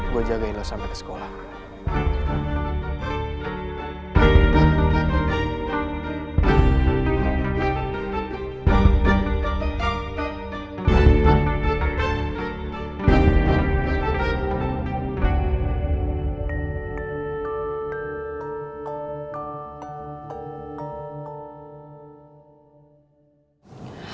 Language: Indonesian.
gue jagain lo sampe ke sekolah